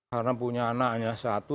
karena punya anaknya satu